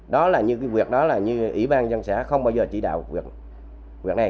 đó là như cái việc đó là như ủy ban dân xã không bao giờ chỉ đạo việc huyện này